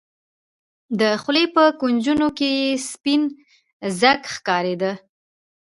د خولې په کونجونو کښې يې سپين ځګ ښکارېده.